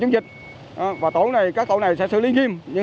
chung sức chung tay với chính quyền địa phương